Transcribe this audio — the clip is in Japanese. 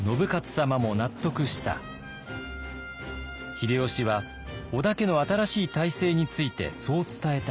秀吉は織田家の新しい体制についてそう伝えた